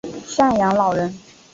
赡养老人